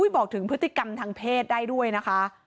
บอกถึงพฤติกรรมทางเพศได้ด้วยนะคะ